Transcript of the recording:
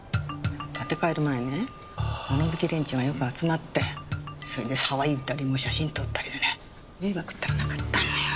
建て替える前ね物好き連中がよく集まってそれで騒いだり写真撮ったりでね迷惑ったらなかったのよ。